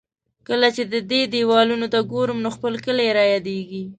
کله چې د دې دېوالونو ته ګورم، نو خپل کلی را یادېږي.